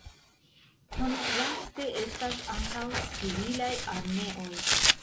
Kontraste estas ankaŭ civilaj armeoj.